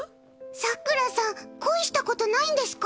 さくらさん恋したことないんですか？